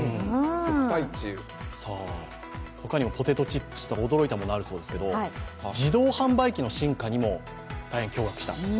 他にもポテトチップスとか驚いたものあるそうですけど自動販売機の進化にも大変驚がくしたと。